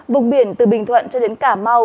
vùng biển từ bình thuận cho đến cà mau